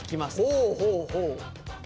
ほうほうほう！